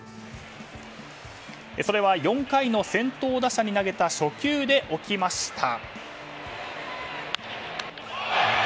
それは、４回の先頭打者に投げた初球で起きました。